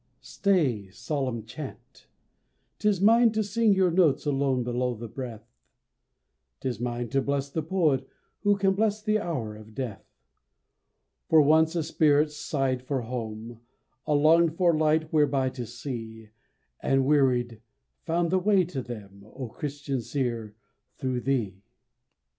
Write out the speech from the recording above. Stay, solemn chant! 'T is mine to sing Your notes alone below the breath. 'T is mine to bless the poet who Can bless the hour of death. For once a spirit "sighed for home," A "longed for light whereby to see," And "wearied," found the way to them, O Christian seer, through thee!